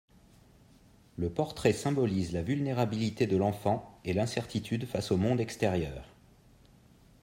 Le portrait symbolise la vulnérabilité de l'enfant et l'incertitude face au monde extérieur.